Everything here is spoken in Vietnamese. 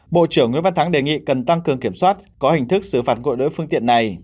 bộ trưởng nguyễn văn thắng đề nghị cần tăng cường kiểm soát có hình thức xử phạt gội đối phương tiện này